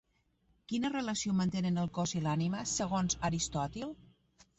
Quina relació mantenen el cos i l'ànima, segons Aristòtil?